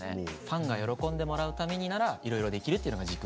ファンが喜んでもらうためにならいろいろできるってのが軸みたいな。